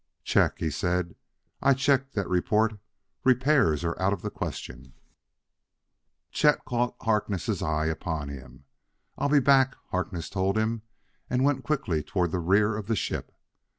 "Check!" he said. "I check that report. Repairs are out of the question." Chet caught Harkness' eye upon him. "I'll be back," Harkness told him and went quickly toward the rear of the ship.